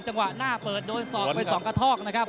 จังหวะหน้าเปิดโดนศอกไปสองกระทอกนะครับ